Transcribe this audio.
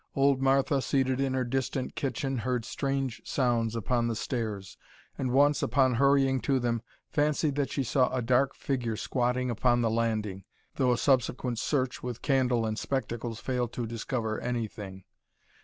Old Martha, seated in her distant kitchen, heard strange sounds upon the stairs, and once, upon hurrying to them, fancied that she saw a dark figure squatting upon the landing, though a subsequent search with candle and spectacles failed to discover anything.